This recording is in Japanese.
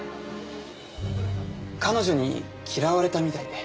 彼女に嫌われたみたいで。